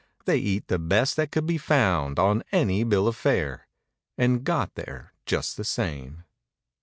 They eat the best that could be found on any bill of fare— And got there just the same.